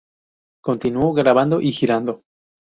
Continuó grabando y girando.